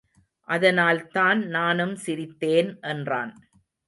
அதனால்தான் நானும் சிரித்தேன் என்றான்.